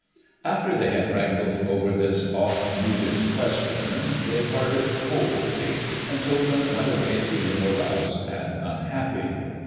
After they had wrangled over this oft mooted question they parted coldly, and Toppan went away feeling aroused and unhappy.